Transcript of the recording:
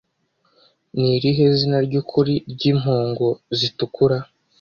Ni irihe zina ryukuri ryimpongo zitukura